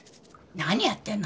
何やってんの？